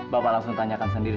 bapak langsung tanyakan sendiri